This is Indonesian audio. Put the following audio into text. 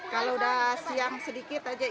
kalau udah siang sedikit aja